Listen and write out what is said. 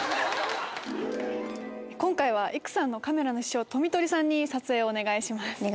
今回は育さんのカメラの師匠富取さんに撮影をお願いします。